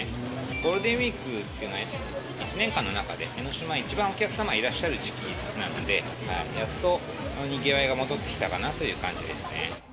ゴールデンウィークっていうのは、一年間の中で江の島、一番お客様いらっしゃる時期なんで、やっとにぎわいが戻ってきたかなという感じですね。